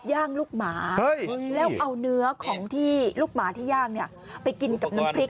ย่างลูกหมาแล้วเอาเนื้อของที่ลูกหมาที่ย่างไปกินกับน้ำพริก